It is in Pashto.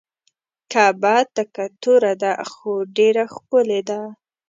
کعبه تکه توره ده خو ډیره ښکلې ده.